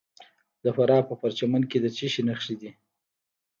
د فراه په پرچمن کې د څه شي نښې دي؟